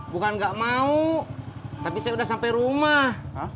bukan gak mau tapi saya udah sampai rumah